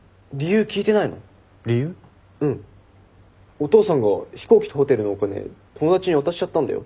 お父さんが飛行機とホテルのお金友達に渡しちゃったんだよ。